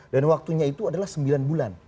dan waktunya itu adalah sembilan bulan